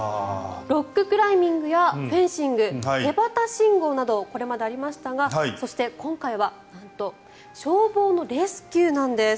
ロッククライミングやフェンシング手旗信号などこれまでありましたがそして、今回はなんと消防のレスキューなんです。